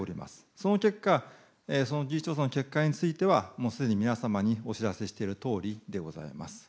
その結果、その事実調査の結果については、もうすでに皆様にお知らせしているとおりでございます。